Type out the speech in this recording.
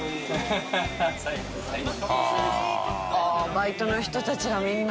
バイトの人たちがみんな。